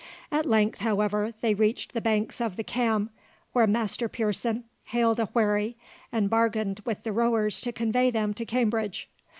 At length, however, they reached the banks of the Cam, where Master Pearson hailed a wherry and bargained with the rowers to convey them to Cambridge.